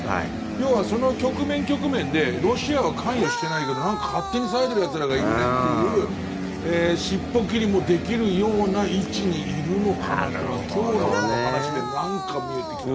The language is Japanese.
要は、その局面局面でロシアは関与してないけどなんか勝手に騒いでるやつらがいるねっていう尻尾切りもできるような位置にいるのかなというのが今日のこの話でなんか見えてきた。